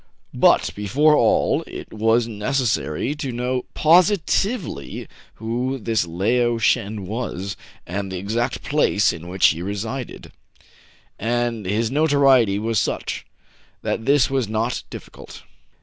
But, before all, it was necessary to know positively who this Lao KIN FO TRAVELS AGAIN, 179 Shen was, and the exact place in which he resided ; and his notoriety was such, that this was not dif ficult.